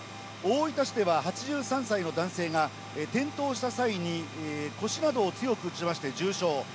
大分市では８３歳の男性が転倒した際に、腰などを強く打ちまして重傷。